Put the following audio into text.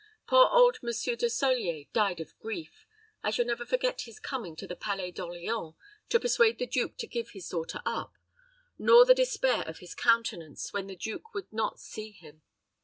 Poor old Monsieur De Solier died of grief. I shall never forget his coming to the Palais d'Orleans, to persuade the duke to give his daughter up, nor the despair of his countenance when the duke would not see him.